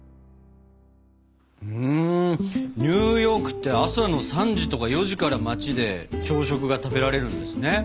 うんニューヨークって朝の３時とか４時から街で朝食が食べられるんですね。